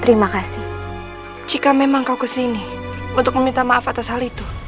terima kasih kanjeng ratu terima kasih jika memang kau ke sini untuk meminta maaf atas hal itu